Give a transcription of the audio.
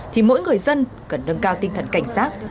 thì mỗi người dân cần nâng cao tinh thần cảnh giác